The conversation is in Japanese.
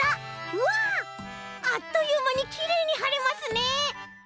うわあっというまにきれいにはれますね。